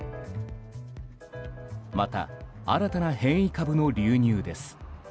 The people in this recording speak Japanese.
また新たな変異株の流入です。